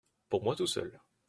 Pour moi tout seul.